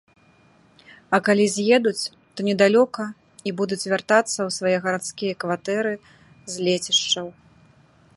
А калі з'едуць, то недалёка і будуць вяртацца ў свае гарадскія кватэры з лецішчаў.